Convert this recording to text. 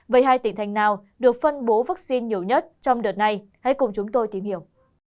với hai tỉnh thành nào được phân bố vaccine nhiều nhất trong đợt này hãy cùng chúng tôi tìm hiểu